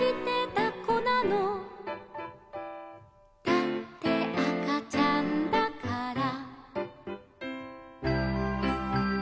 「だってあかちゃんだから」